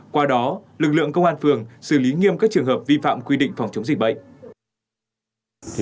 qua đó lực lượng công an phường xử lý nghiêm các trường hợp vi phạm quy định phòng chống dịch bệnh